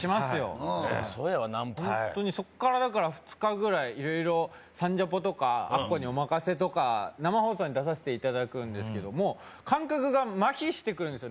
そりゃそうやわはいホントにそこから２日ぐらい色々サンジャポとかアッコにおまかせ！とか生放送に出させていただくんですけども感覚がマヒしてくるんですよ